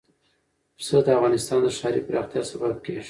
پسه د افغانستان د ښاري پراختیا سبب کېږي.